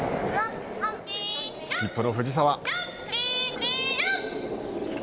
スキップの藤澤。